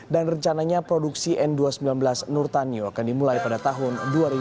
rencananya produksi n dua ratus sembilan belas nurtanio akan dimulai pada tahun dua ribu dua puluh